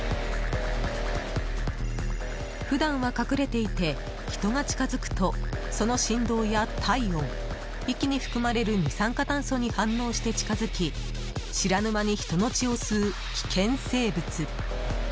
普段は隠れていて、人が近づくとその振動や、体温息に含まれる二酸化炭素に反応して近づき知らぬ間に人の血を吸う危険生物。